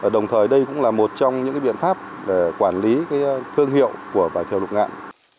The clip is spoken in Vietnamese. đồng thời đây cũng là một trong những biện pháp để quản lý thương hiệu của vải thiều lục ngạn